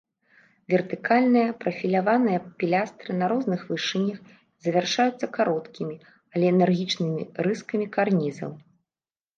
Вертыкальныя прафіляваныя пілястры на розных вышынях завяршаюцца кароткімі, але энергічнымі рыскамі карнізаў.